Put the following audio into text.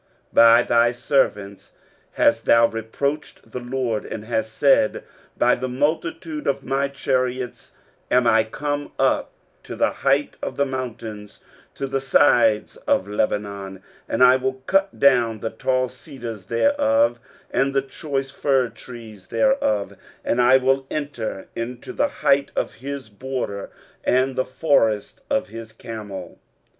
23:037:024 By thy servants hast thou reproached the Lord, and hast said, By the multitude of my chariots am I come up to the height of the mountains, to the sides of Lebanon; and I will cut down the tall cedars thereof, and the choice fir trees thereof: and I will enter into the height of his border, and the forest of his Carmel.